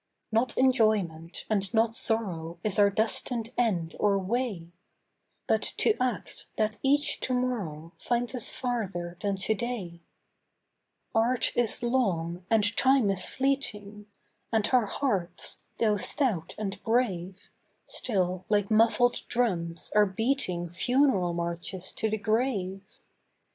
VOICES OF THE NIGHT. Not enjoyment, and not sorrow, Is our destined end or way ; But to act, that each to morrow Find us farther than to day. Art is long, and Time is fleeting, And our hearts, though stout and brave, Still, like muffled drums, are beating Funeral marches to the grave.